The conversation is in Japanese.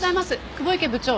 久保池部長。